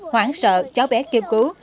hoảng sợ cháu bé kêu cứu